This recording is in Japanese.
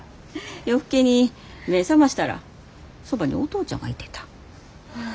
夜更けに目ぇ覚ましたらそばにお父ちゃんがいてた。